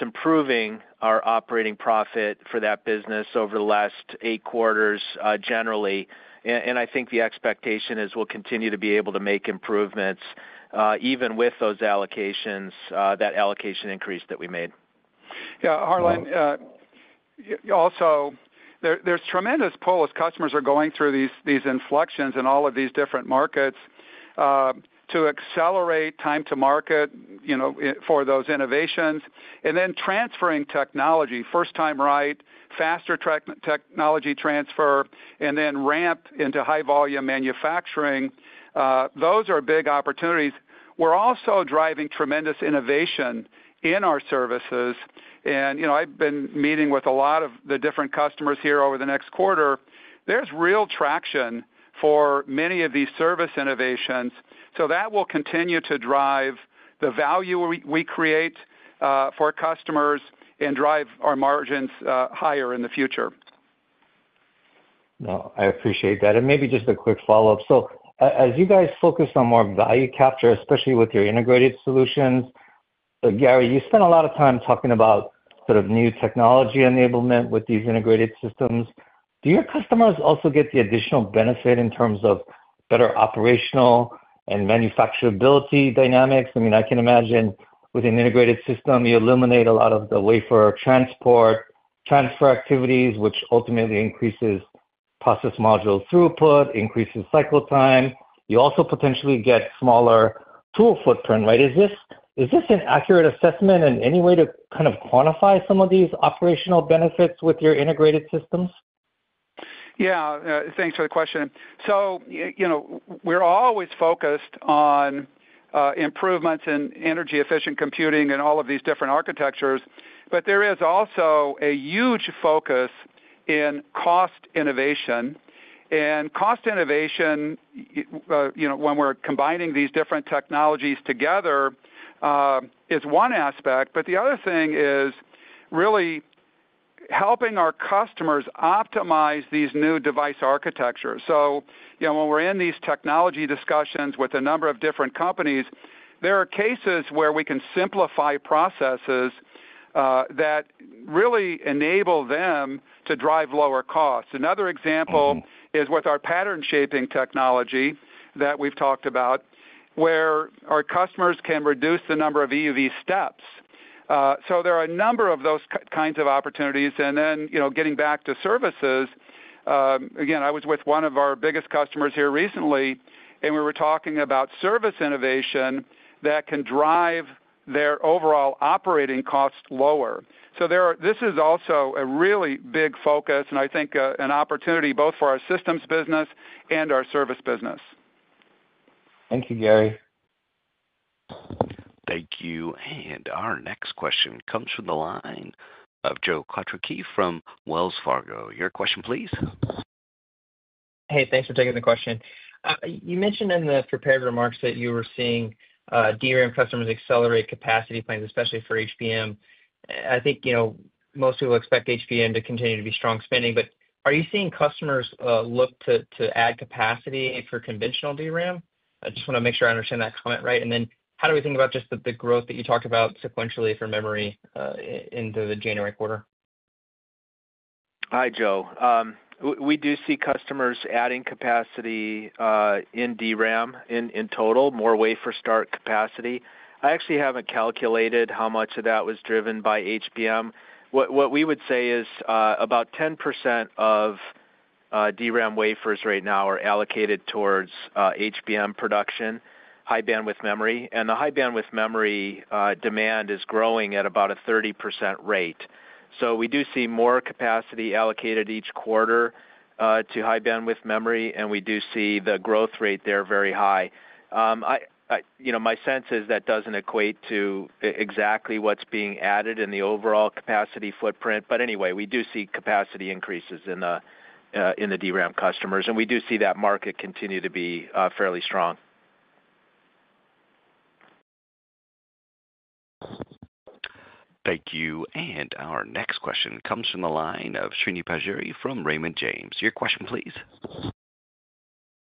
improving our operating profit for that business over the last eight quarters generally. And I think the expectation is we'll continue to be able to make improvements even with those allocations, that allocation increase that we made. Yeah. Harlan, also, there's tremendous pull as customers are going through these inflections in all of these different markets to accelerate time to market for those innovations. And then transferring technology, first-time right, faster technology transfer, and then ramp into high-volume manufacturing. Those are big opportunities. We're also driving tremendous innovation in our services. And I've been meeting with a lot of the different customers here over the next quarter. There's real traction for many of these service innovations. So that will continue to drive the value we create for customers and drive our margins higher in the future. No, I appreciate that. Maybe just a quick follow-up. So as you guys focus on more value capture, especially with your integrated solutions, Gary, you spent a lot of time talking about sort of new technology enablement with these integrated systems. Do your customers also get the additional benefit in terms of better operational and manufacturability dynamics? I mean, I can imagine with an integrated system, you eliminate a lot of the wafer transport transfer activities, which ultimately increases process module throughput, increases cycle time. You also potentially get smaller tool footprint, right? Is this an accurate assessment in any way to kind of quantify some of these operational benefits with your integrated systems? Yeah. Thanks for the question. So we're always focused on improvements in energy-efficient computing and all of these different architectures, but there is also a huge focus in cost innovation. Cost innovation, when we're combining these different technologies together, is one aspect. But the other thing is really helping our customers optimize these new device architectures. So when we're in these technology discussions with a number of different companies, there are cases where we can simplify processes that really enable them to drive lower costs. Another example is with our pattern shaping technology that we've talked about, where our customers can reduce the number of EUV steps. So there are a number of those kinds of opportunities. And then getting back to services, again, I was with one of our biggest customers here recently, and we were talking about service innovation that can drive their overall operating costs lower. So this is also a really big focus, and I think an opportunity both for our systems business and our service business. Thank you, Gary. Thank you. Our next question comes from the line of Joe Quatrochi from Wells Fargo. Your question, please. Hey, thanks for taking the question. You mentioned in the prepared remarks that you were seeing DRAM customers accelerate capacity plans, especially for HBM. I think most people expect HBM to continue to be strong spending. But are you seeing customers look to add capacity for conventional DRAM? I just want to make sure I understand that comment right. Then how do we think about just the growth that you talked about sequentially for memory into the January quarter? Hi, Joe. We do see customers adding capacity in DRAM in total, more wafer start capacity. I actually haven't calculated how much of that was driven by HBM. What we would say is about 10% of DRAM wafers right now are allocated towards HBM production, high-bandwidth memory. And the high-bandwidth memory demand is growing at about a 30% rate. So we do see more capacity allocated each quarter to high-bandwidth memory, and we do see the growth rate there very high. My sense is that doesn't equate to exactly what's being added in the overall capacity footprint. But anyway, we do see capacity increases in the DRAM customers. And we do see that market continue to be fairly strong. Thank you. And our next question comes from the line of Srini Pajjuri from Raymond James. Your question, please.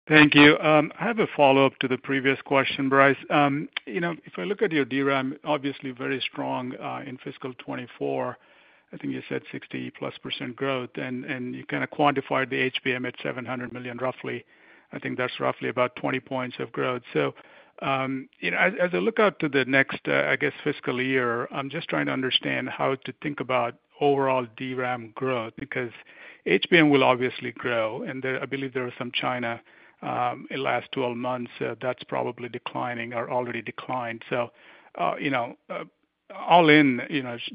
Thank you. I have a follow-up to the previous question, Brice. If I look at your DRAM, obviously very strong in fiscal 2024. I think you said 60+% growth, and you kind of quantified the HBM at $700 million, roughly. I think that's roughly about 20 points of growth. So as I look out to the next, I guess, fiscal year, I'm just trying to understand how to think about overall DRAM growth because HBM will obviously grow. And I believe there was some China in the last 12 months that's probably declining or already declined. So all in,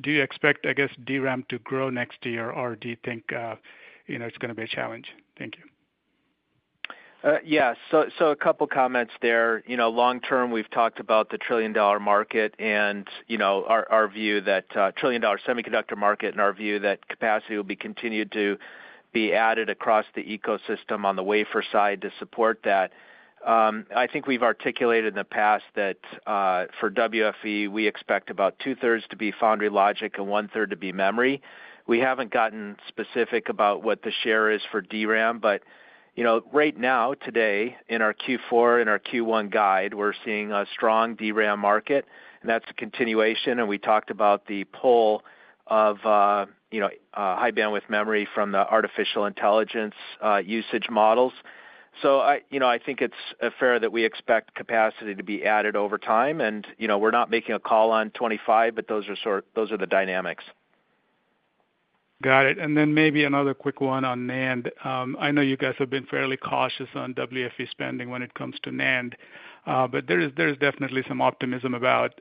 do you expect, I guess, DRAM to grow next year, or do you think it's going to be a challenge? Thank you. Yeah. So a couple of comments there. Long term, we've talked about the trillion-dollar market and our view that trillion-dollar semiconductor market and our view that capacity will be continued to be added across the ecosystem on the wafer side to support that. I think we've articulated in the past that for WFE, we expect about two-thirds to be foundry logic and one-third to be memory. We haven't gotten specific about what the share is for DRAM. But right now, today, in our Q4 and our Q1 guide, we're seeing a strong DRAM market, and that's a continuation. And we talked about the pull of high bandwidth memory from the artificial intelligence usage models. So I think it's fair that we expect capacity to be added over time. And we're not making a call on 2025, but those are the dynamics. Got it. And then maybe another quick one on NAND. I know you guys have been fairly cautious on WFE spending when it comes to NAND. But there is definitely some optimism about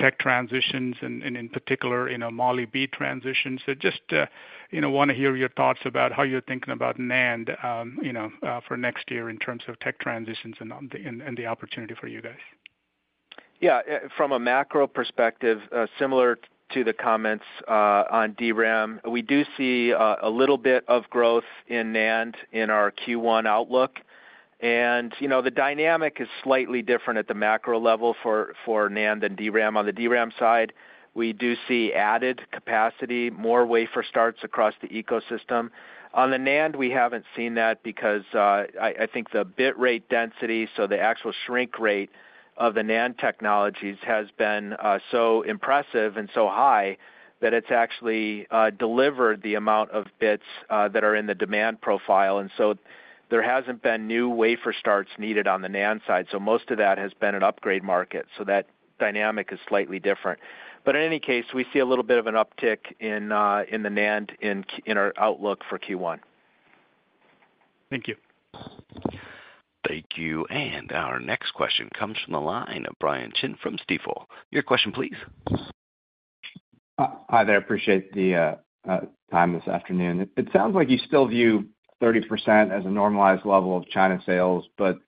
tech transitions and, in particular, 3D transitions. So just want to hear your thoughts about how you're thinking about NAND for next year in terms of tech transitions and the opportunity for you guys. Yeah. From a macro perspective, similar to the comments on DRAM, we do see a little bit of growth in NAND in our Q1 outlook, and the dynamic is slightly different at the macro level for NAND and DRAM. On the DRAM side, we do see added capacity, more wafer starts across the ecosystem. On the NAND, we haven't seen that because I think the bit rate density, so the actual shrink rate of the NAND technologies, has been so impressive and so high that it's actually delivered the amount of bits that are in the demand profile, and so there hasn't been new wafer starts needed on the NAND side, so most of that has been an upgrade market, so that dynamic is slightly different, but in any case, we see a little bit of an uptick in the NAND in our outlook for Q1. Thank you. Thank you. Our next question comes from the line of Brian Chin from Stifel. Your question, please. Hi there. I appreciate the time this afternoon. It sounds like you still view 30% as a normalized level of China sales. But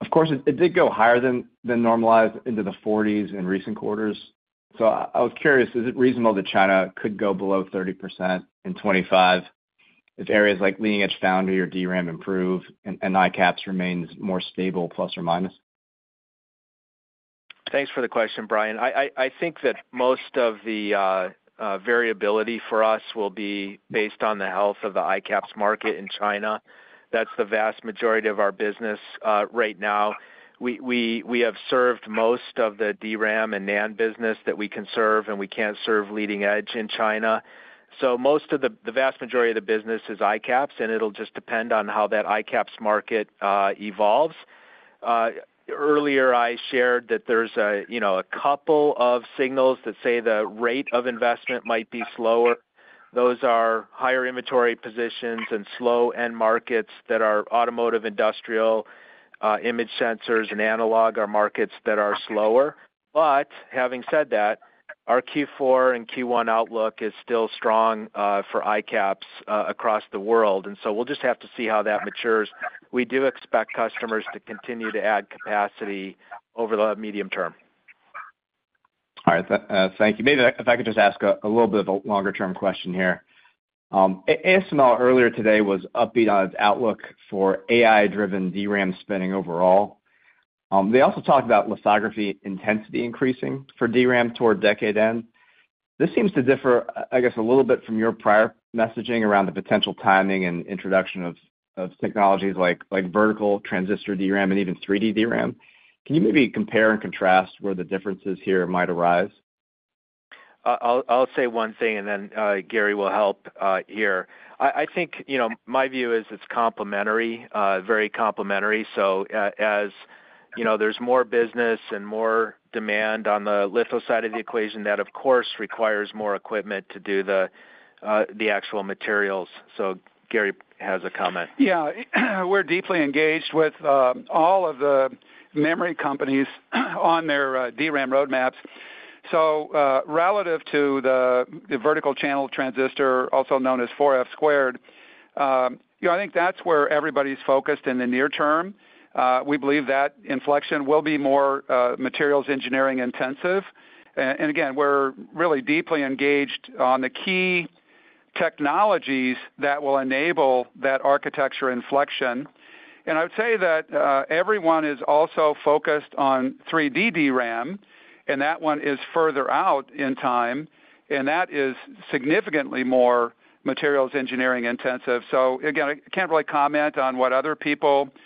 of course, it did go higher than normalized into the 40s in recent quarters. So I was curious, is it reasonable that China could go below 30% in 2025 if areas like leading-edge foundry or DRAM improve and ICAPS remains more stable, plus or minus? Thanks for the question, Brian. I think that most of the variability for us will be based on the health of the ICAPS market in China. That's the vast majority of our business right now. We have served most of the DRAM and NAND business that we can serve, and we can't serve leading edge in China. Most of the vast majority of the business is ICAPS, and it'll just depend on how that ICAPS market evolves. Earlier, I shared that there's a couple of signals that say the rate of investment might be slower. Those are higher inventory positions and slow end markets that are automotive, industrial, image sensors, and analog, are markets that are slower. But having said that, our Q4 and Q1 outlook is still strong for ICAPS across the world. And so we'll just have to see how that matures. We do expect customers to continue to add capacity over the medium term. All right. Thank you. Maybe if I could just ask a little bit of a longer-term question here. ASML earlier today was upbeat on its outlook for AI-driven DRAM spending overall. They also talked about lithography intensity increasing for DRAM toward decade end. This seems to differ, I guess, a little bit from your prior messaging around the potential timing and introduction of technologies like vertical transistor DRAM and even 3D DRAM. Can you maybe compare and contrast where the differences here might arise? I'll say one thing, and then Gary will help here. I think my view is it's complementary, very complementary. As there's more business and more demand on the litho side of the equation, that, of course, requires more equipment to do the actual materials. Gary has a comment. Yeah. We're deeply engaged with all of the memory companies on their DRAM roadmaps. Relative to the vertical channel transistor, also known as 4F squared, I think that's where everybody's focused in the near term. We believe that inflection will be more materials engineering intensive. And again, we're really deeply engaged on the key technologies that will enable that architecture inflection. And I would say that everyone is also focused on 3D DRAM, and that one is further out in time. And that is significantly more materials engineering intensive. So again, I can't really comment on what other people are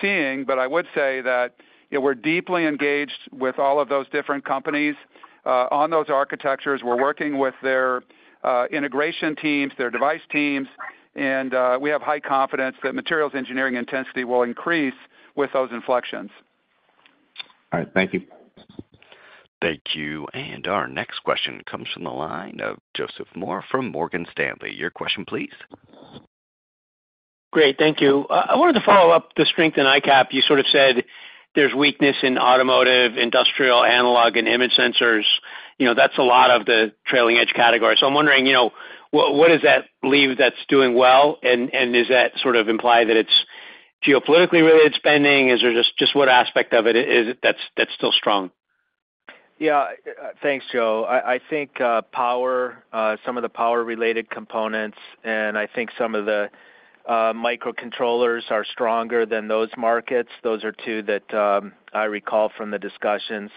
seeing, but I would say that we're deeply engaged with all of those different companies on those architectures. We're working with their integration teams, their device teams, and we have high confidence that materials engineering intensity will increase with those inflections. All right. Thank you. Thank you. And our next question comes from the line of Joseph Moore from Morgan Stanley. Your question, please. Great. Thank you. I wanted to follow up the strength in ICAPS. You sort of said there's weakness in automotive, industrial, analog, and image sensors. That's a lot of the trailing-edge category. So I'm wondering, what is that leg that's doing well? And does that sort of imply that it's geopolitically related spending? Is there just what aspect of it that's still strong? Yeah. Thanks, Joe. I think some of the power-related components and I think some of the microcontrollers are stronger than those markets. Those are two that I recall from the discussions.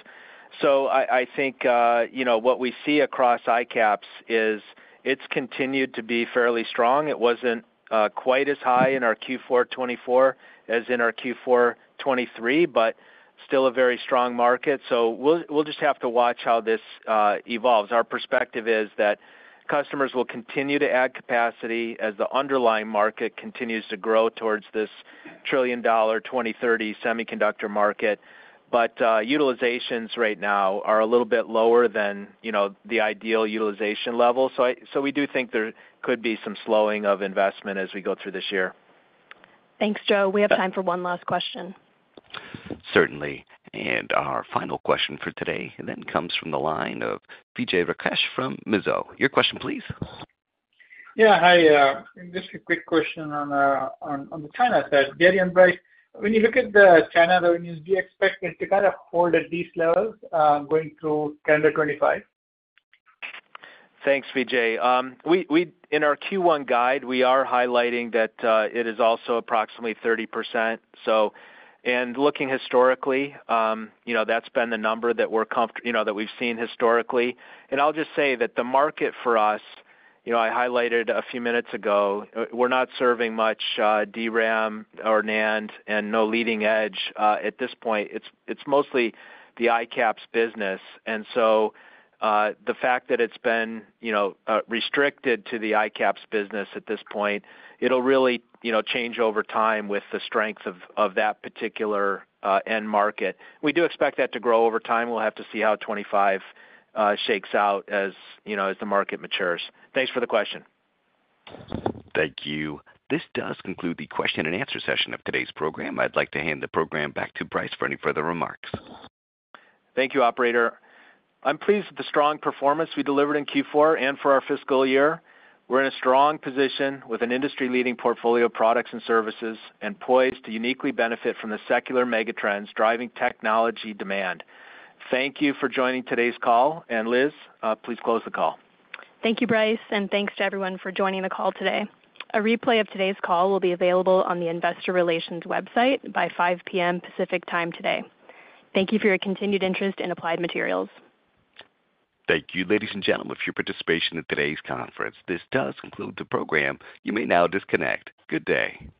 So I think what we see across ICAPS is it's continued to be fairly strong. It wasn't quite as high in our Q4 2024 as in our Q4 2023, but still a very strong market. So we'll just have to watch how this evolves. Our perspective is that customers will continue to add capacity as the underlying market continues to grow towards this $1 trillion 2030 semiconductor market. But utilizations right now are a little bit lower than the ideal utilization level. So we do think there could be some slowing of investment as we go through this year. Thanks, Joe. We have time for one last question. Certainly. And our final question for today then comes from the line of Vijay Rakesh from Mizuho. Your question, please. Yeah. Hi. Just a quick question on the China side. Gary and Brice, when you look at the China, do you expect it to kind of hold at these levels going through calendar 2025? Thanks, Vijay. In our Q1 guide, we are highlighting that it is also approximately 30%. And looking historically, that's been the number that we've seen historically. And I'll just say that the market for us, I highlighted a few minutes ago, we're not serving much DRAM or NAND and no leading edge at this point. It's mostly the ICAPS business. And so the fact that it's been restricted to the ICAPS business at this point, it'll really change over time with the strength of that particular end market. We do expect that to grow over time. We'll have to see how 2025 shakes out as the market matures. Thanks for the question. Thank you. This does conclude the question and answer session of today's program. I'd like to hand the program back to Brice for any further remarks. Thank you, operator. I'm pleased with the strong performance we delivered in Q4 and for our fiscal year. We're in a strong position with an industry-leading portfolio of products and services and poised to uniquely benefit from the secular megatrends driving technology demand. Thank you for joining today's call. And Liz, please close the call. Thank you, Brice. And thanks to everyone for joining the call today. A replay of today's call will be available on the Investor Relations website by 5:00 P.M. Pacific Time today. Thank you for your continued interest in Applied Materials. Thank you, ladies and gentlemen, for your participation in today's conference. This does conclude the program. You may now disconnect. Good day.